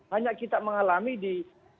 hanya kita mengalami di